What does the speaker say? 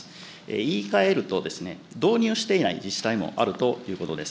言い換えると、導入していない自治体もあるということです。